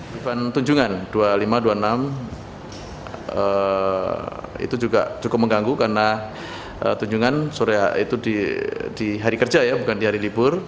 beban tunjungan dua puluh lima dua puluh enam itu juga cukup mengganggu karena tunjungan sore itu di hari kerja ya bukan di hari libur